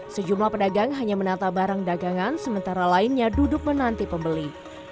sejumlah pedagang hanya menata barang dagangan sementara lainnya duduk menanti pembeli